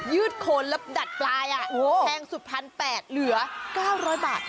ืดโคนแล้วดัดปลายแพงสุด๑๘๐๐บาทเหลือ๙๐๐บาท